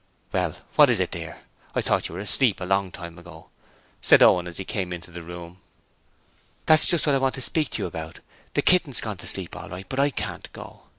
'Well, what is it dear? I thought you were asleep a long time ago,' said Owen as he came into the room. 'That's just what I want to speak to you about: the kitten's gone to sleep all right, but I can't go.